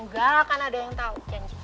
gak akan ada yang tau